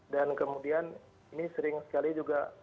dan kemudian ini sering sekali juga